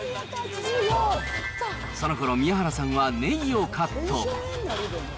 そのころ、宮原さんはネギをカット。